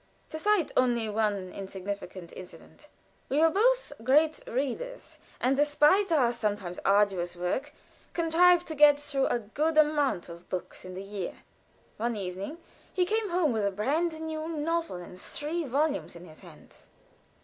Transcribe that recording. To cite only one insignificant incident. We were both great readers, and, despite our sometimes arduous work, contrived to get through a good amount of books in the year. One evening he came home with a brand new novel, in three volumes, in his hands.